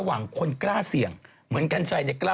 เห็นปะเจ๊เขาเสียงหรือยัง